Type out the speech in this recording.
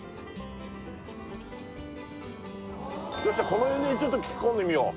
この辺でちょっと聞き込んでみよう